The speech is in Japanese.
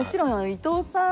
伊藤さん